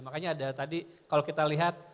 makanya ada tadi kalau kita lihat